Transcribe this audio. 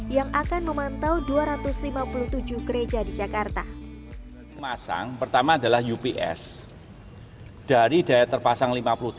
yang akan memantau dua ratus lima puluh tujuh gereja di jakarta masang pertama adalah ups dari daya terpasang lima puluh tujuh